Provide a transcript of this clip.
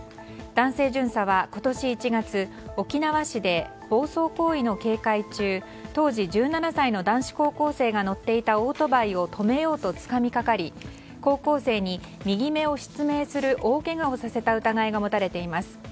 男性巡査は、今年１月沖縄市で暴走行為の警戒中当時１７歳の男子高校生が乗っていたオートバイを止めようとつかみかかり高校生に右目を失明する大けがをさせた疑いが持たれています。